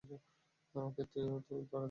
ওকে, তো তুই তাড়াতাড়ি এটা শিখে নে।